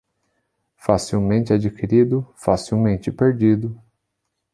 Facilmente adquirido, facilmente perdido.